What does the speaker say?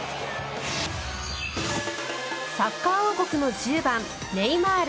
サッカー王国の１０番ネイマール。